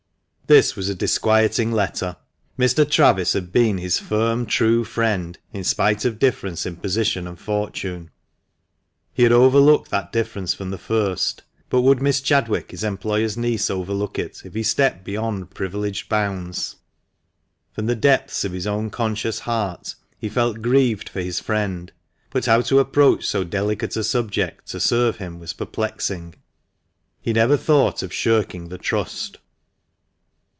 This was a disquieting letter. Mr. Travis had been his firm, true friend, in spite of difference in position and fortune. He had overlooked that difference from the first, but would Miss Chadwick, his employer's niece, overlook it, if he stepped beyond privileged bounds? From the depths of his own conscious heart he felt grieved for his friend, but how to approach so delicate a subject to serve him was perplexing. He never thought of shirking the trust.